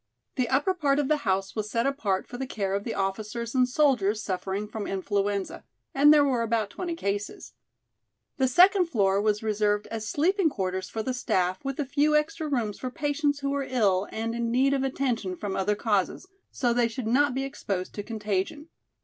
The upper part of the house was set apart for the care of the officers and soldiers suffering from influenza, and there were about twenty cases; the second floor was reserved as sleeping quarters for the staff with a few extra rooms for patients who were ill and in need of attention from other causes so they should not be exposed to contagion.